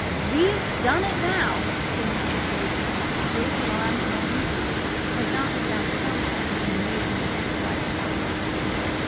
"Thee'st done it now," said Mr. Poyser, a little alarmed and uneasy, but not without some triumphant amusement at his wife's outbreak.